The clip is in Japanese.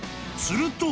［すると］